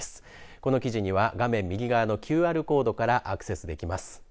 この記事には画面右側のＱＲコードからアクセスできます。